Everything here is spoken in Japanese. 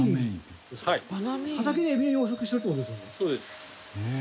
畑でエビを養殖してるって事ですよね？